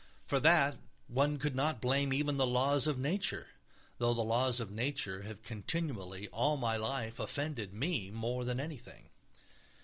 For that one could not blame even the laws of nature, though the laws of nature have continually all my life offended me more than anything.